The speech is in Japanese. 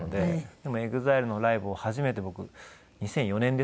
でもＥＸＩＬＥのライブを初めて僕２００４年ですね。